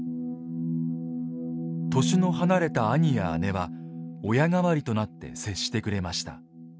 年の離れた兄や姉は親代わりとなって接してくれました。